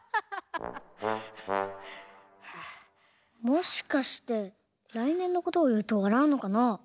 もしかして来年の事を言うと笑うのかな？